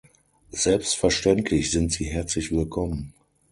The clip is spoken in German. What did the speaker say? Selbstverständlich sind sie herzlich willkommen.